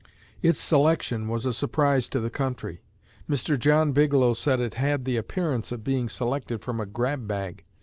Its selection was a surprise to the country. Mr. John Bigelow said it "had the appearance of being selected from a grab bag."